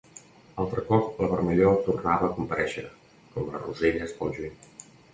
Altre cop la vermellor tornava a comparèixer, com les roselles pel juny…